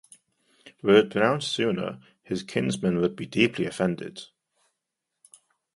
Were it pronounced sooner his kinsmen would be deeply offended.